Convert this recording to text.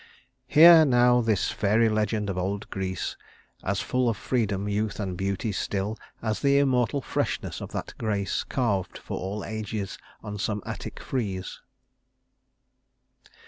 "Hear now this fairy legend of old Greece, As full of freedom, youth and beauty still, As the immortal freshness of that grace Carved for all ages on some Attic frieze."